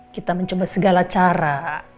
kita mencoba segala cara